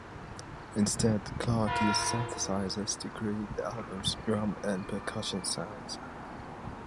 Instead, Clarke used synthesizers to create the album's drum and percussion sounds.